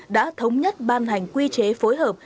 đã thống nhất ban hành quy chế phối hợp